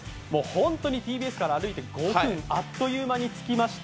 本当にＴＢＳから歩いて５分あっという間に着きました。